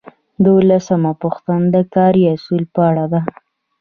دولسمه پوښتنه د کاري اصولو په اړه ده.